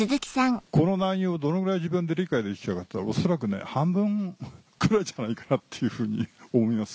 この内容をどのぐらい自分で理解できたかっていうのは恐らく半分くらいじゃないかなっていうふうに思います。